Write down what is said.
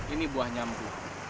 ini buah nyambu